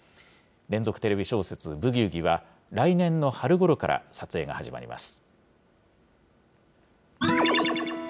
連続テレビ小説、ブギウギは、来年の春ごろから撮影が始まります。